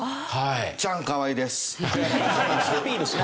チャンカワイです。